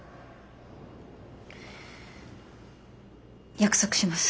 約束します。